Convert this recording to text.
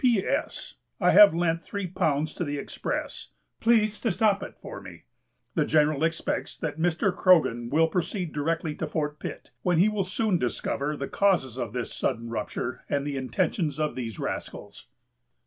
"P. S. I have lent three pounds to the express. Please to stop it for me. The General expects that Mr. Croghan will proceed directly to Fort Pitt, when he will soon discover the causes of this sudden rupture and the intentions of these rascals."